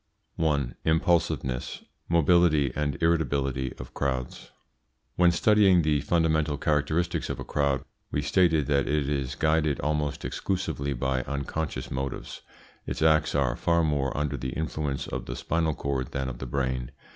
1. IMPULSIVENESS, MOBILITY, AND IRRITABILITY OF CROWDS. When studying the fundamental characteristics of a crowd we stated that it is guided almost exclusively by unconscious motives. Its acts are far more under the influence of the spinal cord than of the brain.